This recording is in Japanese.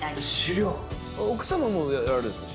奥様もやられるんですか？